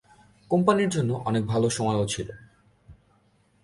কোম্পানির জন্য অনেক ভালো সময়ও ছিল।